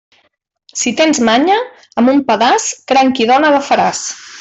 Si tens manya, amb un pedaç, cranc i dona agafaràs.